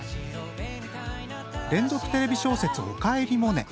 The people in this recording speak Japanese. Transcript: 連続テレビ小説「おかえりモネ」。